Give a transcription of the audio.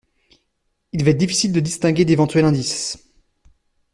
Il va être difficile de distinguer d’éventuels indices.